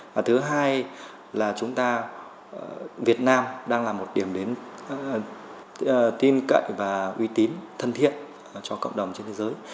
và thứ hai là chúng ta việt nam đang là một điểm đến tin cậy và uy tín thân thiện cho cộng đồng trên thế giới